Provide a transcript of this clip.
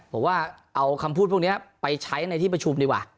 ผมว่าเอาคำพูดพวกนี้ไปใช้ในที่ประชุมดีกว่า